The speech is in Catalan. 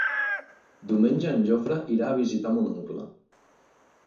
Diumenge en Jofre irà a visitar mon oncle.